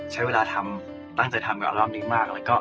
ใช้เวลาทำตั้งใจทำกับรอบนี้มาก